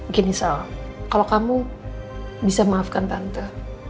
gini sal kalau kamu bisa maafkan tante